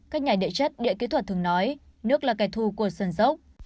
cách nhảy địa chất địa kỹ thuật thường nói nước là kẻ thù của sườn dốc